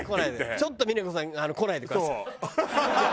「ちょっと峰子さん来ないでください」って。